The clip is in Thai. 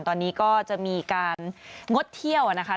ตอนนี้ก็จะมีการงดเที่ยวนะคะ